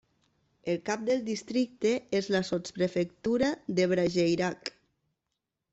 El cap del districte és la sotsprefectura de Brageirac.